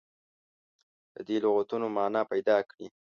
د دې لغتونو معنا پیداکړي.